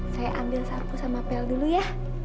saya ambil sarku sama pel dulu ya